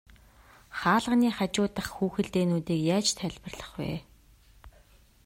Хаалганы хажуу дахь хүүхэлдэйнүүдийг яаж тайлбарлах вэ?